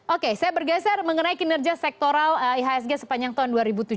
oke saya bergeser mengenai kinerja sektoral ihsg sepanjang tahun dua ribu tujuh belas